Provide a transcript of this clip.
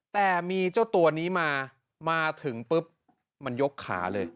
แต่มีเจ้าตัวนี้มามาถึงปุ๊บมันยกขาเลย